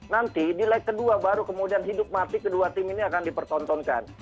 nanti di leg kedua baru kemudian hidup mati kedua tim ini akan dipertontonkan